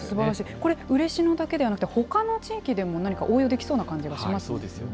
これ、嬉野だけではなくて、ほかの地域でも何か応用できそうな感じがしますね。